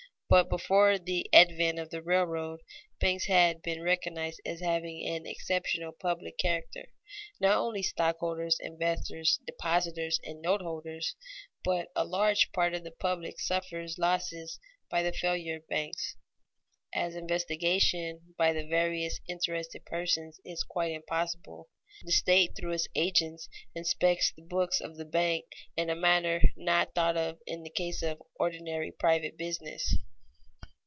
But before the advent of the railroad, banks had been recognized as having an exceptional public character. Not only stockholders, investors, depositors, and note holders, but a large part of the public suffers losses by the failure of banks. As investigation by the various interested persons is quite impossible, the state through its agents inspects the books of the bank in a manner not thought of in the case of ordinary private business.